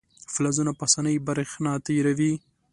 فلزونه په اسانۍ برېښنا تیروي.